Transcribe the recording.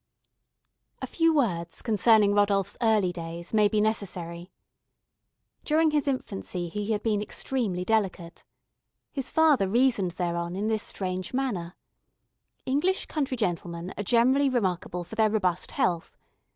A few words concerning Rodolph's early days may be necessary. During his infancy, he had been extremely delicate. His father reasoned thereon in this strange manner: "English country gentlemen are generally remarkable for their robust health.